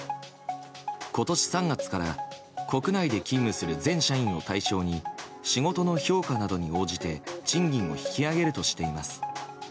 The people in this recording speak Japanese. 今年３月から国内で勤務する全社員を対象に仕事の評価などに応じて賃金を引き上げるとしています。